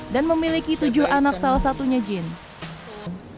dan memiliki tujuh anak salah satunya jane